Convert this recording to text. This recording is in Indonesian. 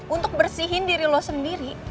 untuk bersihin diri lo sendiri